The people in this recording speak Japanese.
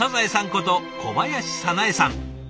こと小林早苗さん。